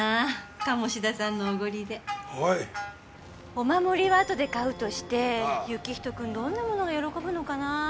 お守りはあとで買うとして行人君どんなものが喜ぶのかなぁ？